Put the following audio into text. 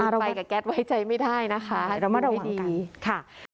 อุ๊ยไปกับแก๊สไว้ใจไม่ได้นะคะเรามาระวังกัน